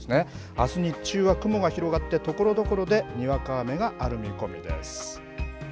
あす日中は雲が広がって、ところどころでにわか雨がある見込みです。